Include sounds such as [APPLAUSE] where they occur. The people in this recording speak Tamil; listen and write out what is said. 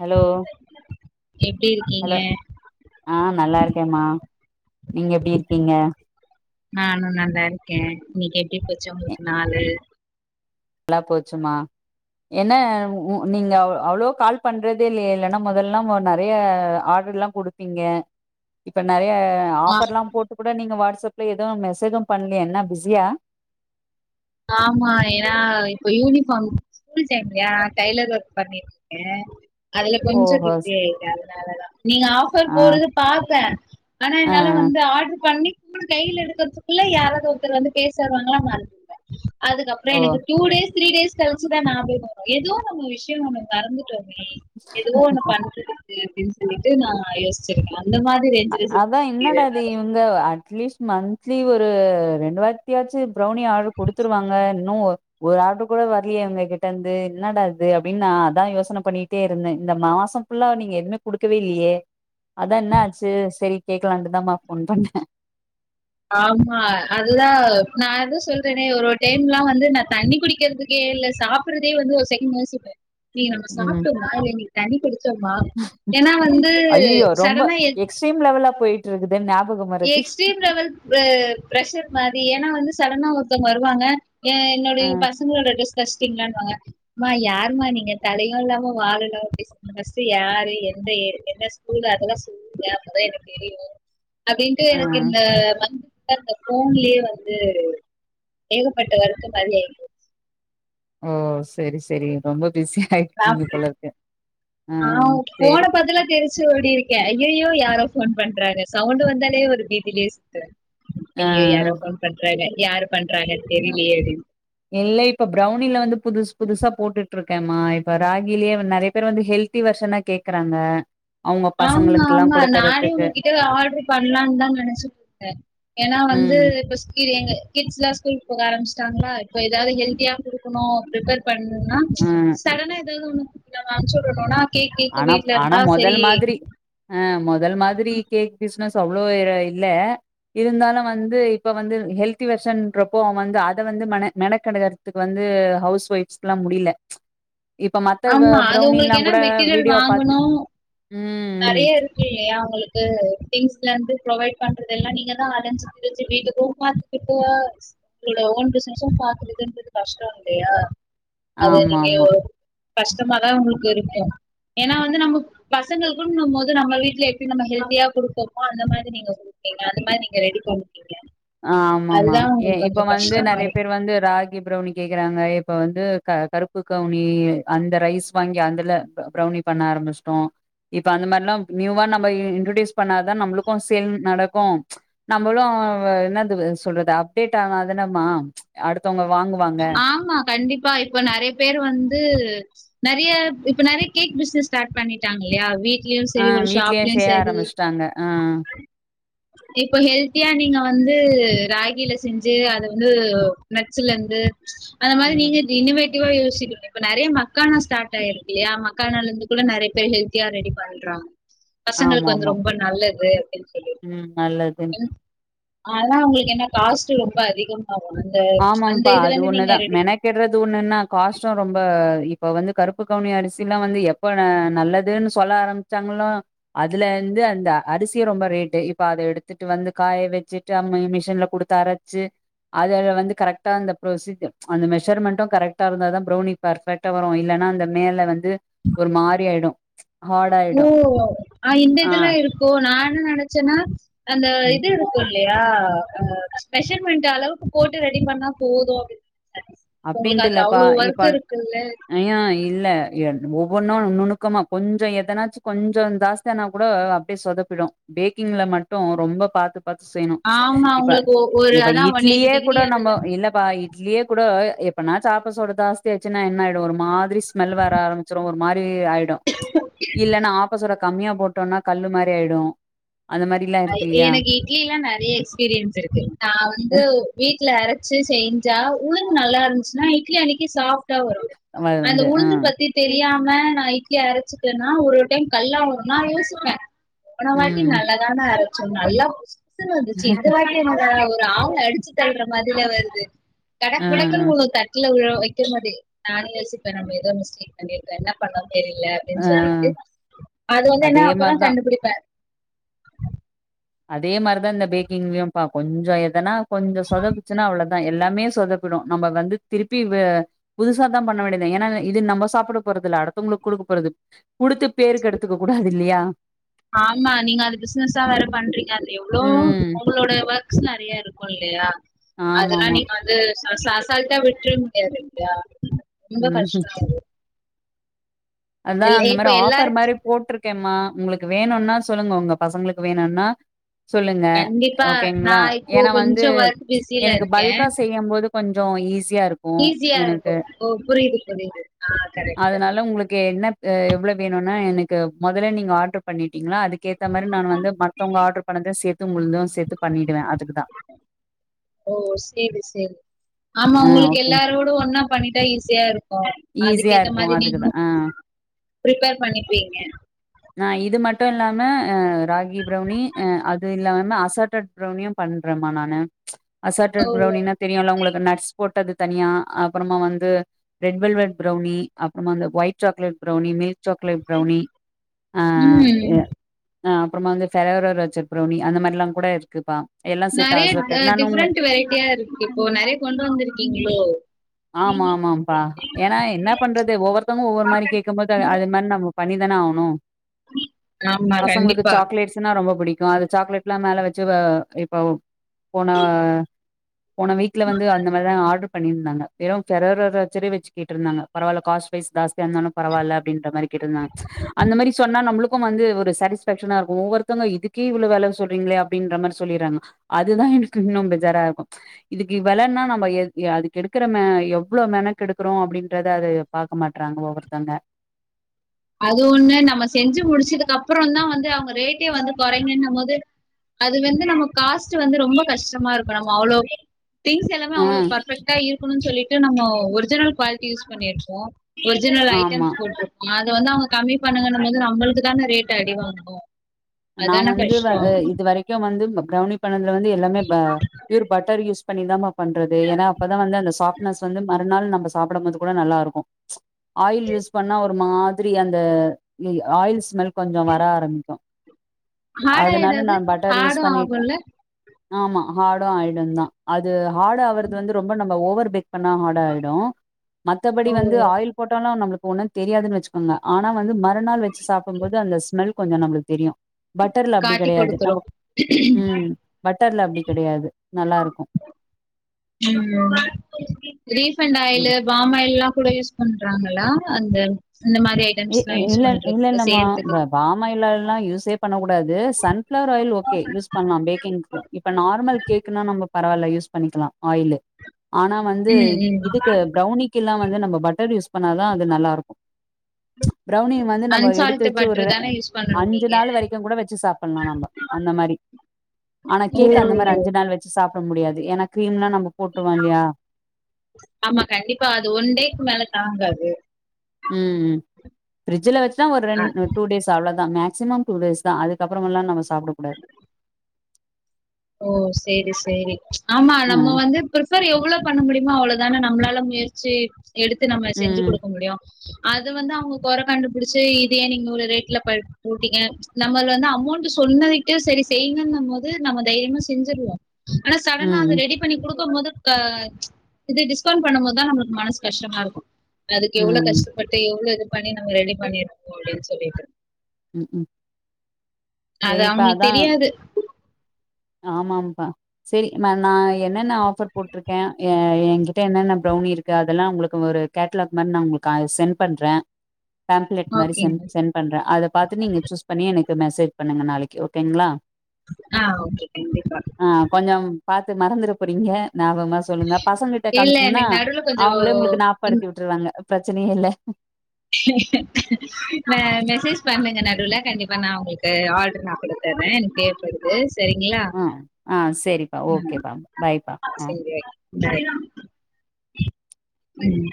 ஹலோ எப்டி இருக்கீங்க ஹலோ ஆ நல்லா இருக்கேன்ம்மா நீங்க எப்டி இருக்கீங்க நானும் நல்லா இருக்கே இன்னைக்கு எப்டி போச்சி உங்களுக்கு நாளு நல்லா போச்சுமா என்ன உ உ நீங்க அவ் அவ்வளோ கால் பண்றதே இல்லயே இல்லன்னா மொதல்லா மொ நெறைய ஆர்டர் எல்லாம் குடுத்தீங்க இப்ப நறைய ஆ ஆஃபர்ல்லா போட்டு கூட நீங்க வாட்ஸ் அப்ல எதும் மெசேஜும் பண்லயே என்ன பிஸியா ஆமா ஏன்னா இப்ப யூனிஃபார்ம் ஸ்கூல் டைம் இல்லயா டைலர் ஒர்க் பண்ணிட்டு இருக்கே அதுல கொஞ்சம் ஓஹோ பிஸியாயிட்டே அதனால தா நீங்க ஆஃபர் ஆ போறது பாப்பே ஆனா ஆ என்னால வந்து ஆர்டரு பண்ணி ஃபோன கையில எடுக்கறதுக்குள்ள யாராவது ஒருத்தர் வந்து பேச வருவாங்களா மற அதுக்கப்பறோ ஓ எனக்கு டூ டேஸ் த்ரீ டேஸ் கழிச்சுதா ஞாபகோ வரும் ஏதோ நம்ம விஷயம் ஒன்னு மறந்துட்டோமே ஏதோ ஒண்ணு பண்ணது எப்டி அப்டின்னு சொல்லிட்டு நா யோசிச்சிருக்கே அந்த மாரி ரேஞ்சுல சுத்திட்டு இருக்கே நானு வந்து அட்லீஸ் மந்த்லி ஒரு ரெண்டு வாட்டியாச்சு பிரவுனி ஆர்டர் குடுத்துருவாங்க இன்னு ஒ ஒரு ஆர்டர் கூட வரலயே உங்க கிட்டருந்து என்னடாது அப்டின்னு நா அதா யோசன பண்ணிட்டே இருந்தே இந்த மாசம் ஃபுல்லா நீங்க எதுமே குடுக்கவே இல்லையே அதா என்ன ஆச்சு சேரி கேக்கலான்ட்டுதாம்மா ஃபோன் பண்ணே ஆமா அதுதா நா அது சொல்றேனே ஒரு டைம்ல்லா வந்து நா தண்ணி குடிக்கிறதுக்கே இல்ல சாப் பிட்றதையே வந்து ஒரு செகண்ட் யோசிப்பே இன்னைக்கு நம்ம ம் சாப்பிட்டோமா இல்ல இன்னைக்கு தண்ணி குடிச்சோமா ஏன்னா வந்து ஐயயோ ரொம்ப சடனா எதவும் எக்ஸ்ட்ரீம் லேவலா போயிட்டு இருக்கு என் ஞாபகம் ம எக்ஸ்ட்ரீம் லெவல் அ ப்ரஷர் மாரி ஏன்னா வந்து சட்டன்னா ஒருத்தர் வாருவாங்க ஏன் ஆ என்னனுடைய பசங்களோட டிரஸ் தச்சிட்டிங்களான்னுவாங்க மா யாரும்மா நீங்க தலையும் இல்லாம் வாலு இல்லாம இப்டி சொன்னா ஃபர்ஸ்ட் யாரு எந்த என்ன ஸ்கூல் அதல்லா சொல்லு ஞாபகமா எனக்கு தெரியும் அப்டின்ட்டு ஆ எனக்கு இந்த மந்த அ போன்லயே வந்து ஏகப்பட்ட ஒர்க்கு காலியாயிட்டு ஓ சேரி சேரி ரொம்ப பிஸியா ஆயிருக்கீங்க போலருக்கு ஆ சேரி இப்ப அதெல்லா ச்சு ஓடிருக்கே அய்யயோ யாரோ ஃபோன் பண்றாங்க சவுண்ட வந்தாலே ஒரு பீதிலே சுத்துறே ஆ அய்யோ யாரோ ஃபோன் பண்றாங்க யார் பண்றாங்கன் தெரிலயே அப்டினு இல்ல இப்ப பிரௌனில வந்து புதுசு புதுசா போட்டுட்டு இருக்கேமா இப்ப ராகிலயே நெறய பேர் வந்து ஹெல்த் த்தி வருஷனா கேக்குறாங்க அவங்க ஆமா பசங்களுக்குல்லா ஆமா நானே குடுக்கறதுக்கு உங்ககிட்ட ஆர்டரு பண்ணலான்னு தா நெனச்சிட்டுருக்கே ஏன்னா வந்து ம் இப்ப சுத்தி எங்க கிட்ஸ்ல்லா ஸ்கூல் போக ஆரம்பச்சட்டாங்களா இப்போ ஏதாவது ஹெல்த்தியா குடுக்கணும் ப்ரிப்பர் பண்ணணுன்னா ம் சடனா ஏதாவது ஒன்னு நம்ம அம்ச்சு விடணுன்னா ஆனா ஆனா மொதல மாதிரி ஆ மொதல மாதிரி கேக் பிஸ்னஸ் இப்ப அவ்ளோ இல்ல இருந்தாலு வந்து இப்ப வந்து ஹெல்தி வருஷன்றப்போ அவ வந்து அத வந்து ம மெக்கெட இதுக்கு வந்து ஹவுஸ் ஒய்ஸ்லா முடில இப்ப மத்த பிரௌனில்லாங்கூட வாங்கணு ம் நெறய இருக் இல்லையா உங்களுக்கு திங்ஸ்ல இருந்து ப்ரவைட் பண்றது எல்லா நீங்க தா அழஞ்சு திருஞ்சு வீட்டு போ மா இப்ப உங்களோட ஓன் பிசினஸும் பாக்குறதுன்றது கஷ்டோ இல்லயா அது ஆமா நீங்க ஆமா கஷ்டமாதா உங்களுக்கு இருக்கு ஏன்னா வந்து நம்ம பசங்களுக்குனு போது நம்ம வீட்ல எப்டி நம்ம ஹல்தியா குடுக்கிறோமோ அந்த மாரி நீங்க நீங்க அந்த மாரி நீங்க ரெடி பண்ணிட்டீங்க ஆ ஆமாமா எ இப்ப வந்து கஷ்டமா நெறய இருக்கு பேர் வந்து ரா பிரௌனி கேக்குறாங்க இப்ப வந்து க கருப்பு கவுனி அந்த ரைஸ் வாங்கி அந்தல பிரௌனி பண்ண ஆரம்பிச்சுடோ இப்ப அந்த மாரிலா நியூவா நம்ம இன்ட்ரடியூஸ் பண்ணாதா நம்மளுக்கு சேல் நடக்கு ச் நம்மளு என்னது சொல்றது அப்டேட் ஆனாதானேம்மா ச் அடுத்தவுங்க வாங்குவாங்க ஆமா கண்டிப்பா இப்ப நெறய பேர் வந்து நெறய இப்ப நெறய கேக் பிசினஸ் ஸ்டார்ட் பண்ணிட்டாங்க இல்லயா வீட் வீட்லயு ஆ சேரி ஒரு வீட்லயே ஷாப்லயு செய்ய சேரி ஆரம்பிச்சுட்டாங்க. ஆ. இப்போ ஹெல்த்தியா நீங்க வந்து ராகில செஞ்சு அத வந்து நட்ஸ்ல இருந்து அந்த மாரி ம். நீங்க இன்னோவேட்டிவா யோசிக்கணு இப்ப நெறய மக்கான ஸ்டார்ட் ஆயிருக்குல்லையா மக்கானம்ல இருந்து கூட நெறய பேர் ஹெல்தி த்தியா ரெடி பண்றாங் பசங்களுக்கு வந்து ஆமாமா. ரொம்ப நல்லது அப்டின்னு சொல்லி ம் நல்லது. ஆனா உங்களுக்கு என்ன காஸ்ட் ரொம்ப அதிகம் ஆகு அந்த அந்த ஆமாம்ப்பா இதுல அது இருந்து நீங்க ஒண்ணுதா ரெடி மெக்கெடுறது ஒண்ணுன்னா காஸ்ட்டு ரொம்ப இப்ப வந்து கருப்பு கவுனி அரிசி எல்லா வந்து எ இப்ப நல்லதுன்னு சொல்ல ஆரம்பிச்சாங்களோ அதுல இருந்து அந்த அரிசிய ரொம்ப ரேட்டு் இப்ப அத எடுத்துட்டு வந்து காய வச்சுட் மிஷின்ல குடுத்து அரச்சு அத வந்து கரெக்டா அந்த பொரோசிஜர் அந்த மெஷர்மெண்டு கரெக்டா இருந்தா தா பிரவுனி பர்ஃபெக்டா வரு இல்லனா அந்த மேல வந்து ஒரு மாரி ஆயிடு ஓ இந்த ஆ. இதுல இருக்கு நா என்ன நெனச்சேன்னா அந்த ம். இது இல்லயா மெசர்மெண்ட் இந்த அளவுக்கு போட்டு ரெடி பண்ணா போது அப்டி உங்களுக்கு அதுல அவ்ளோ வருத்தோ இருக்குல்ல ஐய்யோ இல்ல ஒவ்வொன்னு நுணுக்கமா கொஞ்சோ எதனாச்சு கொஞ்சோ ஜாஸ் இப்ப கூட அப்டியே சொதப்பிடு பேக்கிங்ல மட்டு ரொம்ப பாத்து பாத்து செய்யணு ச் ஆமா இப்ப உங்களுக்கு ஒ ஒரு இப்ப அதான் ஒன் எயிட்டி இட்லியே டிகிரி கூட அதுல நம்ம இல்லப்பா இட்லியே கூட எப்பனா ஆப்ப சோடு ஜாஸ்திய ஆச்சுன்னா என்ன ஆயிடு ஒரு மாதிரி ஸ்மெல் வர ஆரம்பிச்சிரு ஒரு மாரி ஆயிடு [INAUDIBLE] இல்லைன்னா ஆப்பசோட கம்மியா போட்டோம்னா கல்லு மாரி ஆயிடு அந்த மாதிரி [UNINTELLIGIBLE] இட்லில்லா நறைய எக்ஸ்பீரியன்ஸ் இருக்கு நா வந்து வீட்ல அரச்சு செஞ்சா உளுந்து நல்லா இருந்துச்சு ஆ இட்லி அன்னைக்கு சாஃப்ட்டா வரு வ அந்த வந்து அ. உளுந்து பத்தி தெரியாம நா இட்லியே அரைச்சுட்டேன்னா ஒரு டைம் கல்லா வரு நா யோசிப்பே பேன வாட்டி ம். நல்லா தான அரச்சோ நல்லா புஸ்ன்னு வந்துச்சு இந்த வாட்டி ஒரு ஆள அடிச்சு தள்ற மாதிரில வருது அ, கடக் அ. முடக்ன்னு உ த வீல வைக்கிற மாட்டே நானே யோசிப்பே நம்ம ஏதோ மிஸ்டேக் பண்ணிருக்கே என்ன பண்ணோ தெரியல ன் அ. சொல்ட்டு அது வந்து என்ன அதே அப்புறோ மாரி தான். கண்டுபிடிப்பே அதே மாரிதா இந்த பேக்கிங்லயும்ப்பா கொஞ்சொ எதனா கொஞ்சொ சொதப்புச்சுன்னா அவ்ளதா எல்லாமே சொத ப்பிடு நம்ம வந்து திருப்பி வ புதுசாதா பண்ண வேண்டியதுதா ஏன்னா இது இது நம்ம சாப்பட போறதில்ல அடுத்தவங்களுக்கு குடுக்க போறது குடுத்து பேரு கெடுத்துக்க கூடாது இல்லியா ஆமா நீங்க அது பிசினஸா வேற பண்றீங்க அது எவ்ளோ ம் உங்களோட வொர்க் ஸ் நெறைய இருக்கு இல்லையா அதெல்லா ஆமாமா நீங்க வந்து ச ச அசால்ட்டா விட்ற முடியாது இல்லயா ரொம்போ ம் கஷ்டோ அது அதா அந்த இப்ப மாரி ஆஃபர் எல்லாருக்கு மாரி போட்ரு கேம்மா உங்களுக்கு வேணுன்னா சொல்லுங்க உங்க பசங்களுக்கு வேணுன்னா சொல்லுங்க கண்டிப்பா நா ஓகேங்ளா இப்போ ஏன்னா வந்து கொஞ்சோ ஒர்க் பிஸில எனக்கு இருக்கே பல்கா செய்யும் போது கொஞ்சோ ஈஸியா இரு ஈஸியா இருக்கு ஓ புரியுது புரியுது ஆ கரெக்ட்டு கே என்ன ஆ எவ்ளோ வேணுன்னா எனக்கு மொதல்ல நீங்க ஆர்டர் பண்ணிட்டீங்னா அதுக்கேத் த மாரி நானு வந்து மத்தவங்க ஆர்டர் பண்ணது சேத்து உங்களுது சேத்து பண்ணிடுவே அதுக்குதா ஓ சேரி சேரி ஆமா ஆ உங்களுக்கு ஓகேங் எல்லாரோடவு ஒண்ணா பண்ணிட்டா ஈஸியா இருக்கு ஈஸியா அதுக்கேத்த இருக்கு மாரி அதுக்குதா நீங்களு ஆ ஆ பிரிப்பேர் பண்ணிப்பீங்க ஆ இது மட்டு இல்லாம ஆ ராகி ப்ரௌனி ஆ அது இல்லாம அசாட்டட் பிரவுனியு பண்றம்மா நானு ஓ அசாட்டட் பிரவுனினா தெரியுல்ல உங்களுக்கு நட் ஸ் போட்டது தனியா அப்புறமா வந்து ரெட் வெல்வெட் பிரவுனி அப்புறமா அந்த white chocolate brownie milk chocolate brownie ஆ ம் எ ஆ அப்றமா வந்து ஃபெராரோ ரோச்சர் பிரவுனி அந்த மாரில்லாங் கூட இருக்குப்பா எல்லாம் சேத்து நெறைய ஆ அசோட்டட் நானு உங்களுக்கு டிஃப்ரெண்ட் வெரைட்டியா இருக்கு இப்போ நெறைய கொண்டு வந்திருக்கீங்களோ ஆமா ஆமாம்ப்பா ஏன்னா என்ன பண்றது ஒவ்வொருத்தவங்க ஒவ்வொரு மாரி கேக்கும் போது அது அது மாரி நம்மோ பண்ணிதான ஆவணு ஆமா பசங்களுக்கு கண்டிப்பா சாக்லேட்ஸ் னா ரொம்ப புடிக்கு அது சாக்லேட்ல மேல வச்சு வ இப்ப போன போன வீக்ல வந்து அந்த மாரிதா ஆர்ட்ரு பண்ணிருந்தாங்க வெறு ஃபெராரோ ரோச்சரே வச்சு கேட்டுருந்தாங்க பரவால்ல காஸ்ட் வைஸ் ஜாஸ்தியா இருந்தாலு பரவால்ல அப்டின்ற மாரி கேட்ருந்தாங்க அந்த மாரி சொன்னா நம்மளுக் கு வந்து ஒரு சாட்டிஸ்ஃபேக்‌ஷனா இருக்கு ஒவ்வொருத்தங்க இதுக்கே இவ்ளோ வெல சொல்றீங்களே அப்டின்ற மாரி சொல்லிர்றாங்க அதுதா எனக்கு இன்னு பெஜாரா இருக்கு இது க்கு வெலன்னா நம்ம எத் ய அதுக்கு எடுக்கிற மெ எவ்ளோ மெனக்கெடுக்குறோ அப்டின்றத அது பாக்க மாட்றாங்க ஒவ்வொருத்தங்க அது ஒண்ணு நம்ம செஞ்சு முடிச்சதுக்கு அப்றோந்தா வந்து அவங்க ரேட்டே வந்து கொறைங்கன்னும் போது அது வந்து நம்ம காஸ்ட் வந்து ரொம்ப கஷ்டமா இருக்கு நம்மோ அவ்ளோ திங்ஸ் எல்லாமே ஆ அவ்ளோ பர்ஃபெக்டா இருக்கணுன்னு சொல்லிட்டு நம்மோ ஒரிஜினல் குவாலிட்டி யூஸ் பண்ணிருப்போ ஒரிஜினல் ஆமா ஐட்டம்ஸ் போட்ருப்போ அது வந்து அவங்க கம்மி பண்ணுங்கன்னும்போது நம்மளுக்குதான ரேட் அடி வாங்கு நா அதான வந்து வ கஷ்டோ அ இதுவரைக்கு வந்து ப பிரௌனி பண்ணதுல வந்து எல்லாமே ப ப்யூர் பட்டர் யூஸ் பண்ணிதாம்மா பண்றது ஏன்னா அப்பதா வந்து அந்த சாஃப்ட்னஸ் வந்து மறுநாள் நம்ப சாப்படம்போது கூட நல்லா இருக்கு ஆயில் யூஸ் பண்ணா ஒரு மாதிரி அந்த ய் ஆயில் ஸ்மெல் கொஞ்சோ வர ஆரம்பிக்கு ஹார்டா அதனால நா ஏதாவது பட்டர் ஹார்டு யூஸ் பண்ணிட்டே ஆகுல்ல ஆமா ஹாடு ஆயிடுந்தா அது ஹாடு ஆவறது வந்து ரொம்ப நம்ம ஓவர் பேக் பண்ணா ஹாடு ஆயிடு மத்தபடி ஓ வந்து ஆயில் போட்டாலு நம்ளுக்கு ஒன்னு தெரியான்னு வச்சுக்கோங்க ஆனா வந்து மறுநாள் வச்சு சாப்டும் போது அந்த ஸ்மெல் கொஞ்சோ நம்ளுக் தெரியு பட்டர்ல அப்டி காட்டி கெடையாது குடுத்துரு நம்ம ம் பட்டர்ல அப்டி கெடையாது நல்லாருக்கு ம் ம். ரீஃபண்டாயிலு பாம் ஆயில்லா கூட யூஸ் பண்றாங்களா அந்த அந்த மாரி ஐ இ இல்ல இல்ல இல்லம்மா இந்த பாமாயில்லல்லா யூஸே பண்ணக்கூடாது sunflower oil okay use பண்லா பேக்கிங்க்கு இப்ப நார்மல் கேக்ன்னா நம்ம பராவால்ல யூஸ் பண்ணிக்கலா ஆயிலு ஆனா வந்து ம் ம் இதுக்கு ப்ரௌனிக்குல்லா வந்து நம்ம பட்டர் யூஸ் பண்ணாதா அது நல்லா இருக்கு பிரௌனி வந்து நம்ம எடுத்து அன்சால்ட் வச்சு ஒரு பட்டர் தான யூஸ் பண்ணணு அஞ்சு நீங்க நாள் வரைக்கும் கூட வச்சு சாப்புலா நம்ப அந்த மாரி ஆனா ஓ கேக் அந்த மாரி அஞ்சு நாள் வச்சு சாப்ட முடியாது ஏன்னா கிரீம்ல்லா நம்ம போட்ருவோ இல்லயா ஆமா கண்டிப்பா அது ஒன் டேக்கு மேல தாங்காது ம் ம் ஃப்ரிட்ஜ்ல வச்சுதா ஒரு அ ரெண் டூ டேஸ் ஸ் அவ்ளோ தா மேக்சிமம் டூ டேஸ் தா அதுக்கப்றமெல்லா நம்ம சாப்டக்கூடாது ஓ சேரி சேரி ஆமா அ நம்ம வந்து ப்ரிஃபர் எவ்ளோ பண்ண முடியுமோ அவ்ள தான நம்ளால முயற்சி எடுத்து நம்ம செஞ்சு ம் குடுக்க முடியு அது வந்து அவுங்க கொற கண்டுபிடிச்சு இத ஏன் நீங்க இவ்ளோ ரேட்ல ப போட்டிங்க நம்மள் வந்து அமௌண்ட் சொன்னதுக்கே சரி செய்யுங்கன்னு போது நம்ம தைரியமா செஞ்சிருவோ ஆனா சடனா ம் அது ரெடி பண்ணி குடுக்கும் போது க இது டிஸ்கவுண்ட் பண்ணு போதுதா நம்மளுக்கு மனசு கஷ்டமா இருக்கு அதுக்கு எவ்ளோ ம் கஷ்டப்பட்டு எவ்ளோ இது பண்ணி நம்ம ரெடி பண்ணிருக்கோ அப்டின்னு சொல்லிட்டு ம்ம் அது சரிப்பா அவுங்களுக்கு தெரியாது ஆமாம்பா செரி நா நா என்னென்ன ஆஃபர் போட்ருக்கே எ என்கிட்ட என்னென்ன ப்ரௌனி இருக்கு அதெல்லா ஒங்ளுக்கு ஒரு கேட்லாக் மாரி நா உங்களுக்கு சென் பண்றேன் டாம்ப்லேட் மாரி செ ஓகேங்க சென் ட் பண்றே அத பாத்து நீங்க சூஸ் பண்ணி எனக்கு மெசேஜ் பண்ணுங்க நாளைக்கு ஓகேங்ளா ஆ ஓகே கண்டிப்பா ஆ கொஞ்சம் பாத்து மறந்துற போறீங்க ஞாபகமா சொல்லுங்க பசங்க கிட்ட இல்ல காம்ச்சீங்கன்னா எனக்கு நடுவுல கொஞ்சோ அவுங்களே ஒங்ளுக்கு இங்க ஞாப்படுத்தி விட்டுருவாங்க பிரச்சனயே இல்ல மெ மெசேஜ் பண்ணுங்க நடுவுல கண்டிப்பா நா உங்ளுக்கு ஆர்ட்ரு நா குடுத் தரே எனக் தேவ் படு து சரிங்களா ஆ ஆ சரிப்பா ம் ஓகேப்பா பாய்ப்பா ஆ சரி வைக் சரி ம்